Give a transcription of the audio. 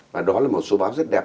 và đó là một số báo rất đẹp